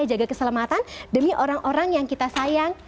jaga keselamatan demi orang orang yang kita sayang